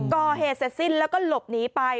ก่อเหตุเสร็จสิ้นแล้วก็หลบหนีไป